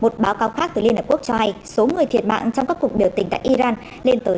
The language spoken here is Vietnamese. một báo cáo khác từ liên hợp quốc cho hay số người thiệt mạng trong các cuộc biểu tình tại iran lên tới ba trăm linh người